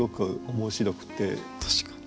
確かに。